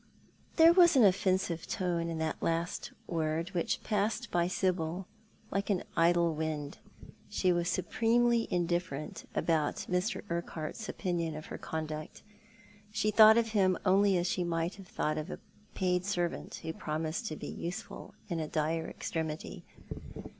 There was an offensive tone in that last word which passed by Sibyl like the idle wind. She was supremely indifferent about ^Ir. Urquhart's opinion of her conduct. She thought of him only as she might have thought of a paid servant who promised to bo useful in a dire extremity.